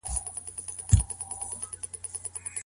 د والدينو اتفاق او يو ځای والي ولي اړين دی؟